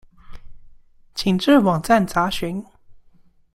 請至網站查詢